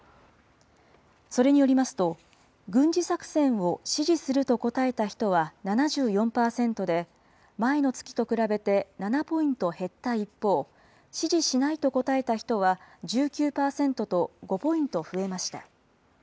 それによりますと、軍事作戦を支持すると答えた人は７４％で、前の月と比べて７ポイント減った一方、支持しないと答えた人は１９％と５ポイント増えました。